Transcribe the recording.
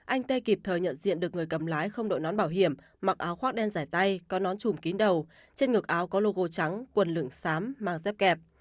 anh tê kịp thời nhận diện được người cầm lái không đội nón bảo hiểm mặc áo khoác đen giải tay có nón chùm kín đầu trên ngực áo có logo trắng quần lửng sám mang dép kẹp